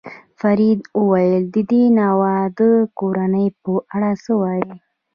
فرید وویل: د دې ناواده کورنۍ په اړه څه وایې؟